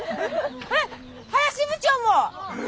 えっ林部長も！